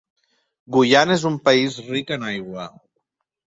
Guyana és un país ric en aigua.